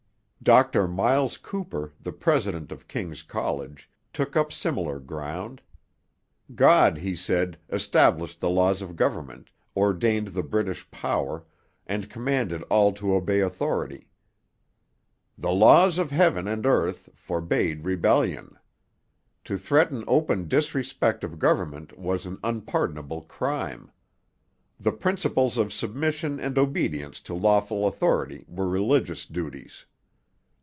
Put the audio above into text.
Dr Myles Cooper, the president of King's College, took up similar ground. God, he said, established the laws of government, ordained the British power, and commanded all to obey authority. 'The laws of heaven and earth' forbade rebellion. To threaten open disrespect of government was 'an unpardonable crime.' 'The principles of submission and obedience to lawful authority' were religious duties.